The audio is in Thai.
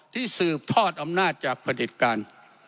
ที่สืบทอดอำนาจจากผลิตการ